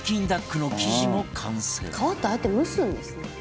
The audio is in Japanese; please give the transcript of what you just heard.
更に「皮ってああやって蒸すんですね」